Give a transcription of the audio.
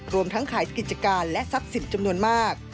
รวมทั้งขายกิจการและทรัพย์สินจำนวนมาก